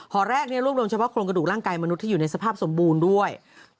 ห่อแรกรวบรวมเฉพาะโครงกระดูกร่างกายมนุษย์อยู่ในสภาพสมบูรณ์ด้วย